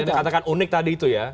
yang tadi anda katakan unik tadi itu ya